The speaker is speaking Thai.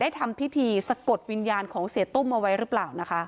ทำพิธีสะกดวิญญาณของเสียตุ้มเอาไว้หรือเปล่านะคะ